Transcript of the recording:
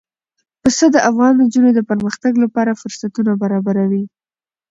پسه د افغان نجونو د پرمختګ لپاره فرصتونه برابروي.